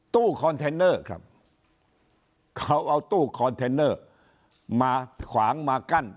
ตู้คอนเทนเนอร์ครับเขาเอาตู้คอนเทนเนอร์มาขวางมากั้น